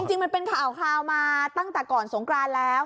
จริงมันเป็นข่าวมาตั้งแต่ก่อนสงกรานแล้ว